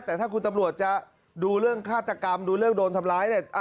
แต่ถ้าคุณตำรวจจะดูเรื่องฆาตกรรมดูเรื่องโดนทำร้ายเนี่ย